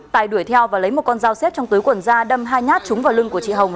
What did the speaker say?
tài đuổi theo và lấy một con dao xếp trong túi quần da đâm hai nhát trúng vào lưng của chị hồng